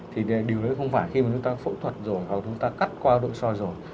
thì điều đấy không phải khi mà chúng ta phẫu thuật rồi hoặc chúng ta cắt qua nội soi rồi